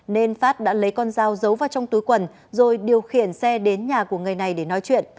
nên phát đã lấy con dao giấu vào trong túi quần rồi điều khiển xe đến nhà của người này để nói chuyện